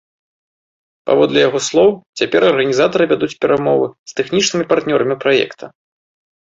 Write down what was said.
Паводле яго слоў, цяпер арганізатары вядуць перамовы з тэхнічнымі партнёрамі праекта.